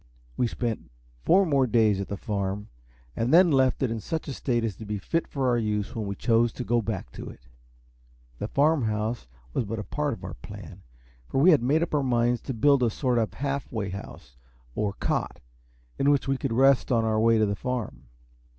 We spent four more days at the Farm, and then left it in such a state as to be fit for our use when we chose to go back to it. The Farm House was but a part of our plan, for we had made up our minds to build a sort of half way house, or cot, in which we could rest on our way to the Farm.